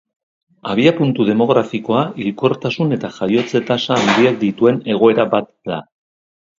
Abiapuntu demografikoa hilkortasun- eta jaiotze-tasa handiak dituen egoera bat da.